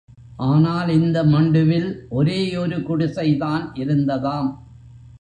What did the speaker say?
ஆனால் இந்த மண்டுவில் ஒரே ஒரு குடிசைதான் இருந்ததாம்.